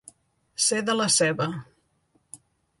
Ser de la ceba.